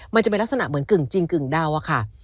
มันจะเป็นลักษณะเหมือนกึ่งจริงกึ่งเดาอะค่ะ